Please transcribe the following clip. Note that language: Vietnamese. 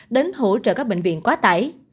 đến hỗ trợ các bệnh viện quá tải